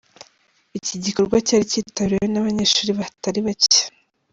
Iki gikorwa cyari kitabiriwe n'abanyeshuri batari bake.